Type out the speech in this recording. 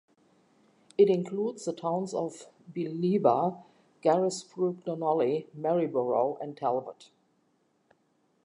It includes the towns of Bealiba, Carisbrook, Dunolly, Maryborough and Talbot.